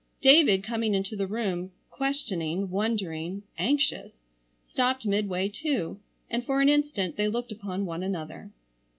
David coming into the room, questioning, wondering, anxious, stopped midway too, and for an instant they looked upon one another.